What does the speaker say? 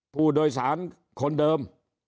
ผู้โดยสารคนเดิม